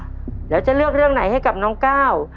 แล้วจะเลือกเรื่องไหนให้กับน้องก้าว